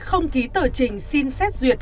không ký tờ trình xin xét duyệt